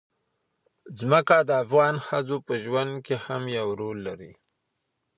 ځمکه د افغان ښځو په ژوند کې هم یو رول لري.